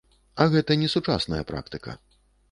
А гэта несучасная практыка.